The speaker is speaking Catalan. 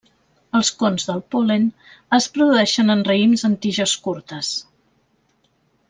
Els cons del pol·len es produeixen en raïms en tiges curtes.